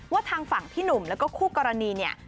ว่าทางฝั่งพี่หนุ่มแล้วก็คู่กรณี